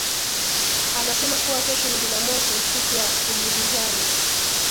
Anasema kuwa kesho ni jumamosi, siku ya kujivinjari.